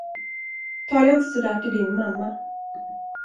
Tala inte så där till din mamma!